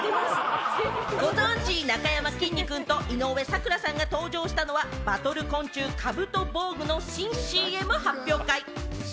ご存じ、なかやまきんに君と井上咲楽さんが登場したのは『バトル昆虫カブトボーグ』の新ＣＭ発表会。